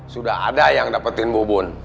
sudah ada yang dapetin bubun